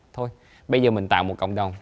thôi bây giờ mình tạo một cộng đồng